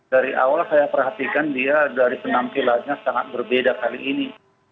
dari awal saya perhatikan dia dari penampilannya sangat berbeda kali ini